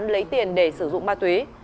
tuấn lấy tiền để sử dụng ma túy